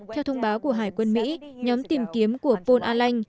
theo thông báo của hải quân mỹ nhóm tìm kiếm của paul allen